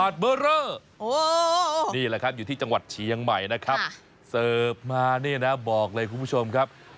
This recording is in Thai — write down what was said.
เสิร์ฟมาบอกเลยคุณผู้ชมครับ